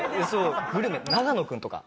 グルメ長野君とか。